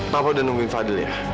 bapak udah nungguin fadil ya